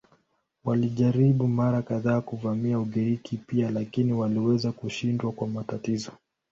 Walijaribu mara kadhaa kuvamia Ugiriki pia lakini waliweza kushindwa kwa matatizo.